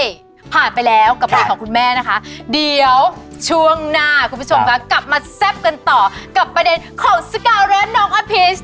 ใช่ผ่านไปแล้วกับเพลงของคุณแม่นะคะเดี๋ยวช่วงหน้าคุณผู้ชมค่ะกลับมาแซ่บกันต่อกับประเด็นของสกาวแรสน้องอภิษ